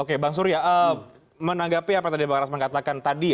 oke bang surya menanggapi apa tadi pak amin rais mengatakan tadi